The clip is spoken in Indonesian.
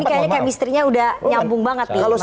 ini kayaknya kemistrinya udah nyambung banget nih mas ahsan